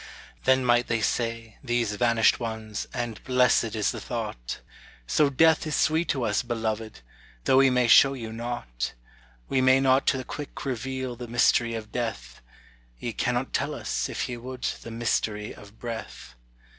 Then might they say these vanished ones and blessed is the thought, "So death is sweet to us, beloved! though we may show you nought; We may not to the quick reveal the mystery of death Ye cannot tell us, if ye would, the mystery of breath."